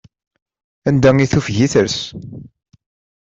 Anda i tufeg i tres.